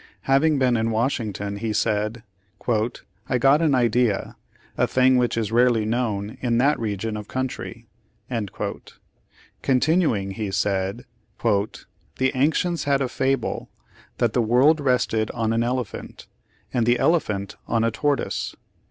Having been in Wash ington he said, "I got an idea, a thing which is rarely known in that region of country." Con tinuing, he said : "The ancients had a fable that the world rested on an elephant, and the elephant on a tortoise.